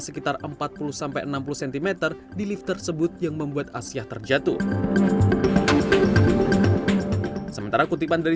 sekitar empat puluh sampai enam puluh cm di lift tersebut yang membuat asyah terjatuh sementara kutipan dari